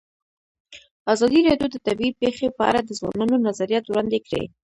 ازادي راډیو د طبیعي پېښې په اړه د ځوانانو نظریات وړاندې کړي.